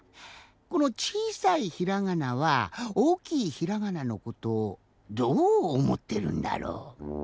このちいさいひらがなはおおきいひらがなのことをどうおもってるんだろう？